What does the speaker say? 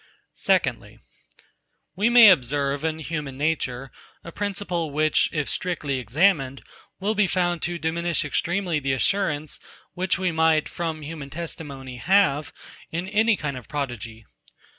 93. Secondly. We may observe in human nature a principle which, if strictly examined, will be found to diminish extremely the assurance, which we might, from human testimony, have, in any kind of prodigy.